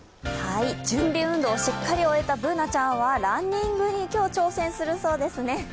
準備運動、しっかり終えたＢｏｏｎａちゃんはランニングに挑戦するそうですね。